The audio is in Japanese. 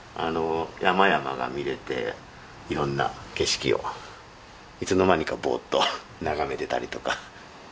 山々が見られていろんな景色をいつの間にかぼーっと眺めていたりとか。